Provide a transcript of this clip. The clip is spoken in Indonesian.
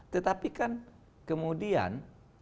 tetapi kan kemudian